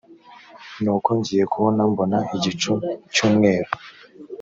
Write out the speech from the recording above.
nuko ngiye kubona mbona igicu cy umweru